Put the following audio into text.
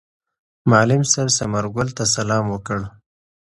معلم صاحب ثمر ګل ته سلام وکړ.